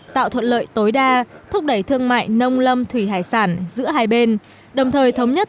tạo thuận lợi tối đa thúc đẩy thương mại nông lâm thủy hải sản giữa hai bên đồng thời thống nhất